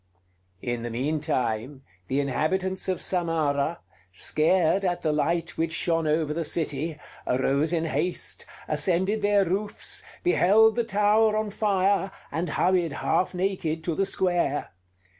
In the mean time, the inhabitants of Samarah, scared at the light which shone over the city, arose in haste, ascended their roofs, beheld the tower on fire, and hurried half naked to the square.